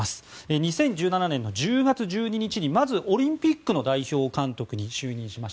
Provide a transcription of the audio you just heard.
２０１８年の１０月１２日にまずオリンピックの代表監督に就任しました。